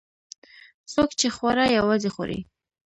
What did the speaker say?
څوک چې خواړه یوازې خوري.